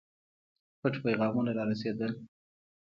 پټ پیغامونه را رسېدل.